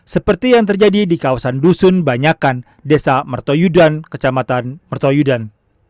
seperti yang terjadi di kawasan dusun banyakan desa mertoyudan kecamatan mertoyudan